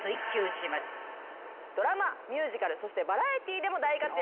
ドラマミュージカルそしてバラエティーでも大活躍